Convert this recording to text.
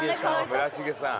村重さん。